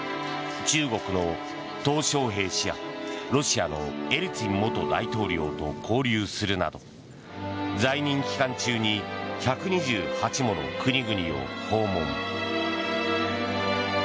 中国のトウ・ショウヘイ氏やロシアのエリツィン元大統領と交流するなど在任期間中に１２８もの国々を訪問。